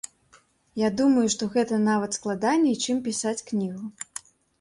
Я думаю, што гэта нават складаней, чым пісаць кнігу.